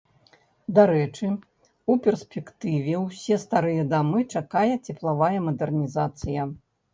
Дарэчы, у перспектыве ўсе старыя дамы чакае цеплавая мадэрнізацыя.